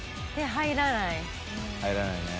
入らないね。